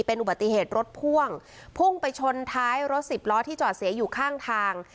เป็นอุบัติเหตุรถพ่วงพุ่งไปชนท้ายรถสิบล้อที่จอดเสียอยู่ข้างทาง